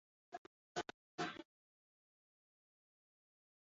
Halaber, probaren erantzun-orria eskaintzen du.